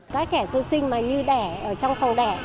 các trẻ sơ sinh mà như đẻ ở trong phòng đẻ